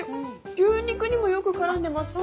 牛肉にもよく絡んでますし。